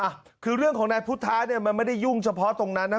อ่ะคือเรื่องของนายพุทธะเนี่ยมันไม่ได้ยุ่งเฉพาะตรงนั้นนะ